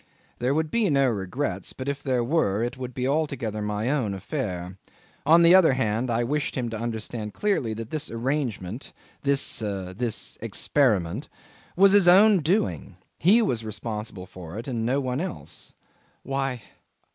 There would be no regrets; but if there were, it would be altogether my own affair: on the other hand, I wished him to understand clearly that this arrangement, this this experiment, was his own doing; he was responsible for it and no one else. "Why?